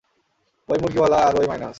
ঐ মুরগিওয়ালা আর ঐ মাইনাস।